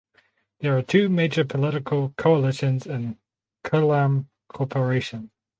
There are two major political coalitions in Kollam corporation.